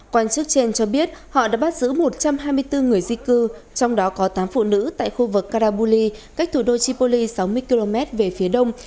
quan chức trên cho biết họ đã bắt giữ một trăm hai mươi bốn người di cư trong đó có tám phụ nữ tại khu vực carabuli cách thủ đô tripoli sáu mươi km về phía đông